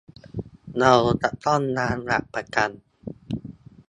เราจะต้องวางหลักประกัน